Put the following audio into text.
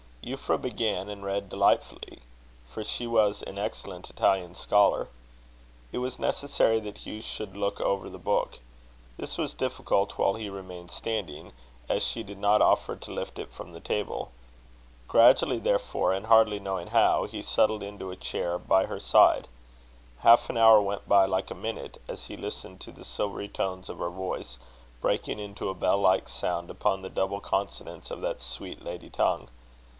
Euphra began, and read delightfully; for she was an excellent Italian scholar. It was necessary that Hugh should look over the book. This was difficult while he remained standing, as she did not offer to lift it from the table. Gradually, therefore, and hardly knowing how, he settled into a chair by her side. Half an hour went by like a minute, as he listened to the silvery tones of her voice, breaking into a bell like sound upon the double consonants of that sweet lady tongue.